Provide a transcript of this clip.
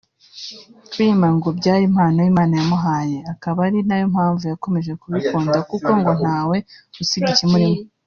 kuririmba ngo byari impano ye Imana yamuhaye akaba ari nayo mpamvu yakomeje kubikunda kuko ngo ntawe usiga ikimurimo